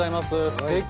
すてき！